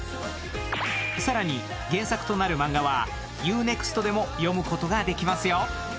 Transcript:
さらに原作となる漫画はＵ−ＮＥＸＴでも読むことができますよ